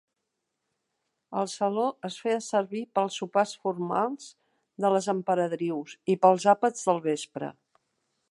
El saló es feia servir per als sopars formals de les emperadrius i per als àpats del vespre.